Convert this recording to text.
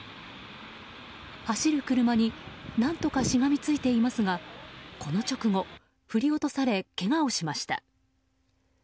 走る車に何とかしがみついていますがこの直後、振り落とされけがをしました。